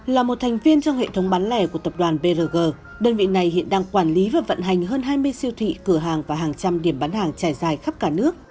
là một thành viên trong hệ thống bán lẻ của tập đoàn brg đơn vị này hiện đang quản lý và vận hành hơn hai mươi siêu thị cửa hàng và hàng trăm điểm bán hàng trải dài khắp cả nước